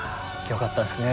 よかったですね。